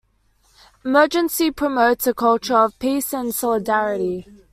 Emergency promotes a culture of peace and solidarity.